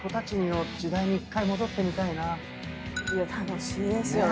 楽しいですよね。